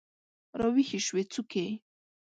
راویښې شوي څوکې